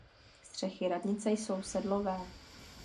Střechy radnice jsou sedlové.